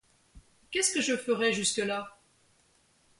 Qu'est-ce que je ferai jusque-là?